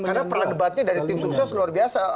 karena perdebatannya dari tim sukses luar biasa